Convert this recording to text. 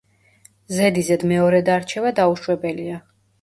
ზედიზედ მეორედ არჩევა დაუშვებელია.